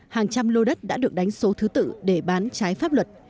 hàng trăm lô đất đã được đánh số thứ tự để bán trái pháp luật